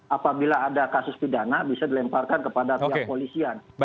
apabila ada kasus pidana bisa dilemparkan kepada pihak polisian